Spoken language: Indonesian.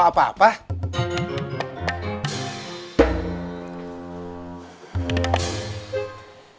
kamu gak bawa apa apa